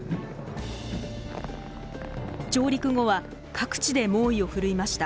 上陸後は各地で猛威を振るいました。